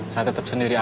saya tetep sendiri aja